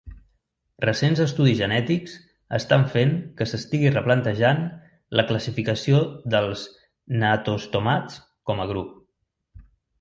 Recents estudis genètics estan fent que s'estigui replantejant la classificació dels gnatostomats com a grup.